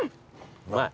うまい？